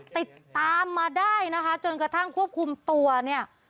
ติดตามมาได้นะคะจนกระทั่งควบคุมตัวเนี่ย